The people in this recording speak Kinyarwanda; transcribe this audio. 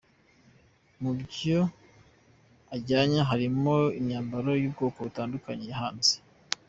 Mu byo ajyanye harimo imyambaro y’ubwoko butandukanye yahanze.